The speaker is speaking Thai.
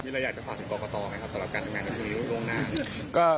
มีอะไรอยากจะฝากถึงกอกกอตอไหมครับสำหรับการทำงานกับวิธีโลกหน้า